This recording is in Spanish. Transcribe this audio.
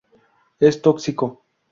Es tóxico.